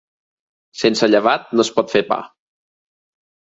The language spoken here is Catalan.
Sense llevat no es pot fer pa.